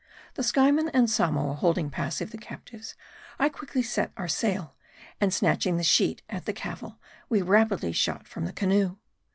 The Skyemaii and Samoa holding passive the captives, I quickly set our sail, and snatching the sheet at the cavil, we rapidly shot from the canoe.